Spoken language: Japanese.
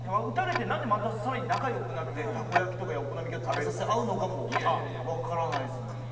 撃たれてなんでまたさらに仲良くなってたこ焼とかお好み焼を食べさせ合うのかもわからないですね。